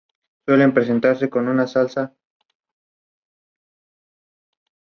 El nombre viene de la campaña napoleónica en este país.